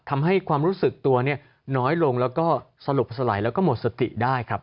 ทำให้ความรู้สึกตัวเนี่ยน้อยลงแล้วก็สลบสลายแล้วก็หมดสติได้ครับ